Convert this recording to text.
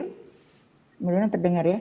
kemarin terdengar ya